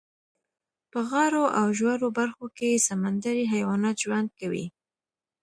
په غاړو او ژورو برخو کې یې سمندري حیوانات ژوند کوي.